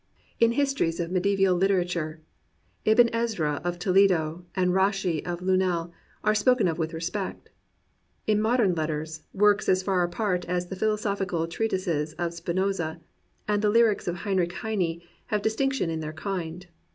In histories of medi aeval literature, Ibn Ezra of Toledo and Rashi of Lunel are spoken of with respect. In modern let ters, works as far apart as the philosophical treatises of Spinoza and the lyrics of Heinrich Heine have distinction in their kind.